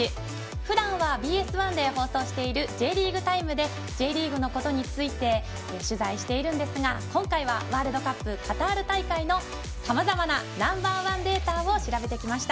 ふだんはＢＳ１で放送している「Ｊリーグタイム」でＪリーグのことについて取材しているんですが今回はワールドカップカタール大会のさまざまなナンバー１データを調べてきました。